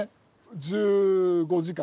１５時間。